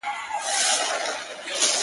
د زمانې له چپاوونو را وتلی چنار!!